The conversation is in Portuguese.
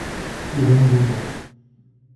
Iranduba